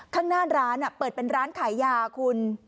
ข้างหน้าร้านเปิดเป็นร้านขายยาคุณ